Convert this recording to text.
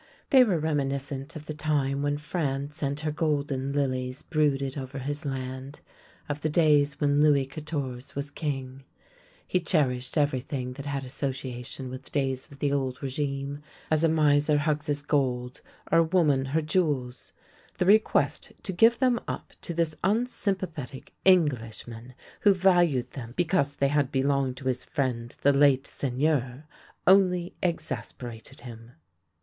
They were reminiscent of the time when France and her golden lilies brooded over his land, of the days when Louis Quatorze was king. He cherished every thing that had association with the days of the old regime, as a miser hugs his gold, or a woman her jewels. The request to give them up to this unsympa thetic Englishman, who valued them because they had belonged to his friend the late Seigneur, only exas perated him.